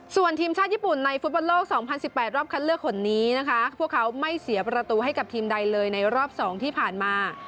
ส่วนทีมชาติญี่ปุ่นในฟุตบอลโลก๒๐๑๘รอบคัดเลือกคนนี้นะคะพวกเขาไม่เสียประตูให้กับทีมใดเลยในรอบ๒ที่ผ่านมา